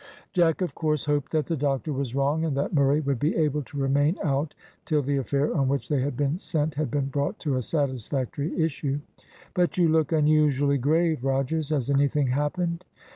Jack of course hoped that the doctor was wrong, and that Murray would be able to remain out till the affair on which they had been sent had been brought to a satisfactory issue. "But you look unusually grave, Rogers; has anything happened?"